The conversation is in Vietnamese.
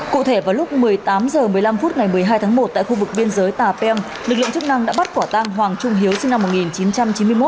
cụ thể vào lúc một mươi tám h một mươi năm phút ngày một mươi hai tháng một tại khu vực biên giới tà pem lực lượng chức năng đã bắt quả tang hoàng trung hiếu sinh năm một nghìn chín trăm chín mươi một